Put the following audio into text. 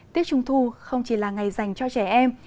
tết trung thu không chỉ là ngày dành cho trẻ em